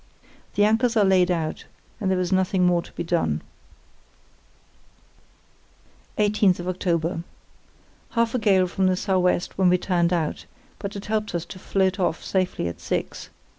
"The anchors are laid out, and there is nothing more to be done. "Oct. 18—Half a gale from the sou' west when we turned out, but it helped us to float off safely at six.